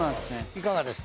いかがですか？